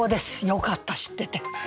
よかった知ってて。